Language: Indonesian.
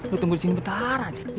lo tunggu disini bentar aja